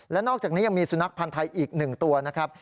และนอกจากนี้ยังมีสุนัขพันธ์ไทยอีก๑ตัวนะครับ